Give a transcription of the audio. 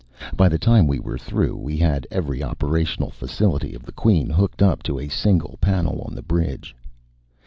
By the time we were through, we had every operational facility of the Queen hooked up to a single panel on the bridge.